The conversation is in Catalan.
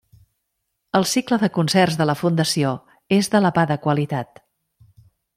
El cicle de concerts de la fundació és d'elevada qualitat.